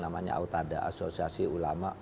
namanya autada asosiasi ulama